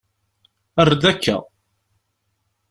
Err-d akka.